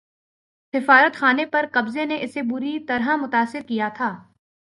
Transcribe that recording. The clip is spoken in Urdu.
سفارت خانے پر قبضے نے اسے بری طرح متاثر کیا تھا